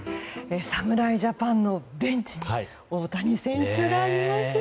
侍ジャパンのベンチに大谷選手がいますね！